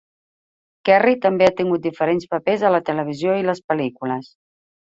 Kerry també ha tingut diferents papers a la televisió i les pel·lícules.